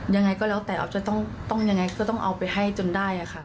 ยังไงก็แล้วแต่ออฟจะต้องเอาไปให้จนได้ค่ะ